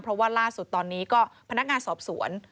เพราะว่าล่าสุดตอนนี้ก็พนักงานสอบสวน